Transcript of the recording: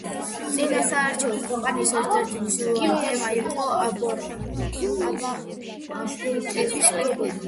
წინასაარჩევნო კამპანიის ერთ-ერთი მნიშვნელოვანი თემა იყო აბორტების პრობლემა.